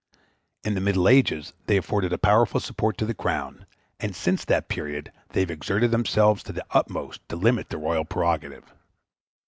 In the Middle Ages they afforded a powerful support to the Crown, and since that period they have exerted themselves to the utmost to limit the royal prerogative.